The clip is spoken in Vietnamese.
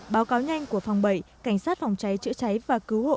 báo cáo nhanh của phòng bảy cảnh sát phòng cháy chữa cháy và cứu hộ